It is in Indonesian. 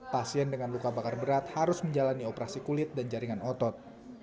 pasien dengan luka bakar berat harus menjalani operasi kulit dan jaringan otot